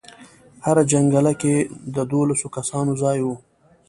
هره جنګله کې د دولسو کسانو ځای و.